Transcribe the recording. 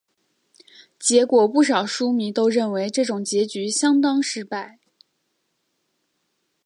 结果不少书迷都认为这种结局相当失败。